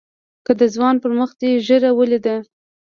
که د ځوان پر مخ دې ږيره وليده.